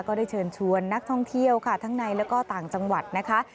ก็ได้เชิญชวนนักท่องเที่ยวค่ะทั้งในแล้วก็ต่างจังหวัดนะคะ